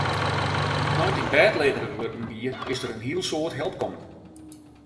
Nei't ik bêdlegerich wurden wie, is der in heel soad help kommen.